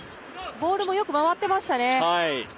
ボールもよく回ってましたね。